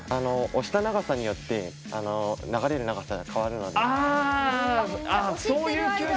押した長さによって流れる長さが変わるので。